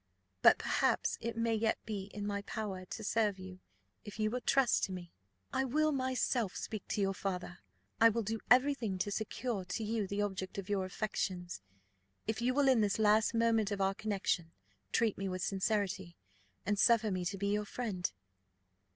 But, perhaps, it may yet be in my power to serve you, if you will trust to me. I will myself speak to your father. I will do every thing to secure to you the object of your affections, if you will, in this last moment of our connexion, treat me with sincerity, and suffer me to be your friend."